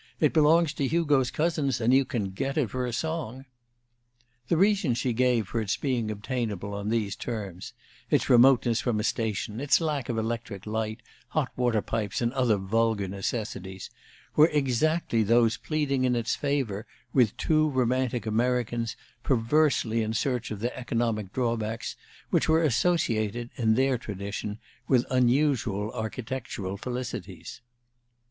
It belongs to Hugo's cousins, and you can get it for a song." The reasons she gave for its being obtainable on these terms its remoteness from a station, its lack of electric light, hot water pipes, and other vulgar necessities were exactly those pleading in its favor with two romantic Americans perversely in search of the economic drawbacks which were associated, in their tradition, with unusual architectural felicities.